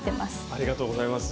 ありがとうございます。